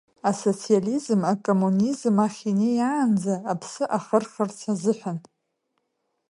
Асоциализм, акоммунизм ахь инеиаанӡа, аԥсы ахырхырц азыҳәан.